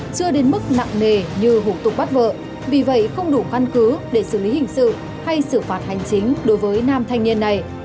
chưa đến mức nặng nề như hủ tục bắt vợ vì vậy không đủ căn cứ để xử lý hình sự hay xử phạt hành chính đối với nam thanh niên này